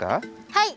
はい！